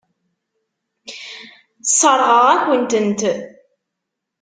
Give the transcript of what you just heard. Sseṛɣeɣ-aken-tent.